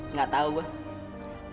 nggak tahu gue